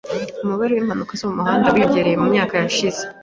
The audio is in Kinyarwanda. Umubare w'impanuka zo mu muhanda wiyongereye mu myaka yashize.